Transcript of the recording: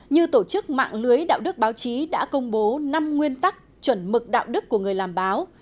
như tổ chức mạng lưới đạo đức báo chí đã công bố năm nguyên tắc chuẩn mực đạo đức của người làm báo